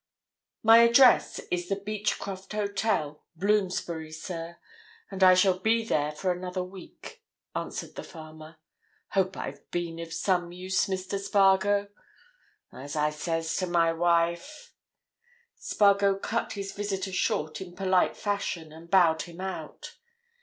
"My address is the Beachcroft Hotel, Bloomsbury, sir, and I shall be there for another week," answered the farmer. "Hope I've been of some use, Mr. Spargo. As I says to my wife——" Spargo cut his visitor short in polite fashion and bowed him out.